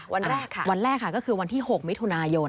วันแรกค่ะวันแรกค่ะก็คือวันที่๖มิถุนายน